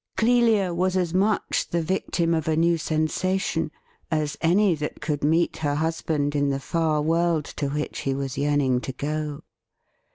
Clelia was as much the victim of a new sensation as any that could meet her husband in the far world to which he was yearning to go.